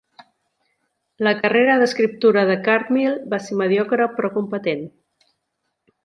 La carrera d'escriptura de Cartmill va ser mediocre però competent.